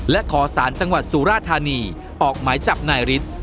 และขอสารจังหวัดสุราธานีออกหมายจับนายฤทธิ์